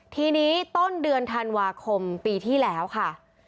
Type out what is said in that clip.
ทีนี้ต้นเดือนธันวาคมปีที่แล้วค่ะ